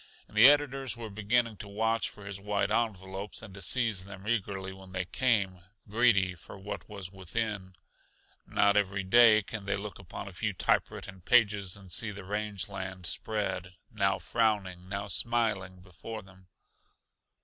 And the editors were beginning to watch for his white envelopes and to seize them eagerly when they came, greedy for what was within. Not every day can they look upon a few typewritten pages and see the range land spread, now frowning, now smiling, before them.